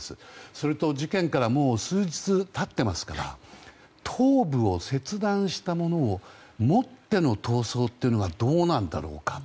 それと、事件からもう数日経ってますから頭部を切断したものを持っての逃走というのはどうなんだろうか。